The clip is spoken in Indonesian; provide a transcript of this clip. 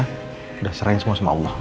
sudah serahin semua sama allah